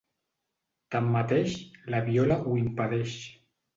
Tanmateix, la Viola ho impedeix.